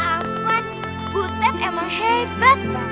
apa butet emang hebat